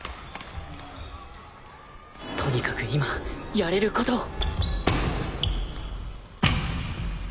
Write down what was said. とにかく今やれる事を